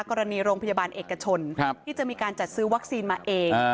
กรณีโรงพยาบาลเอกชนที่จะมีการจัดซื้อวัคซีนมาเอง